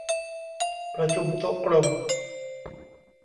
ประชุมโต๊ะกลม